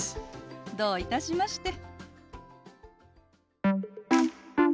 どういたしまして。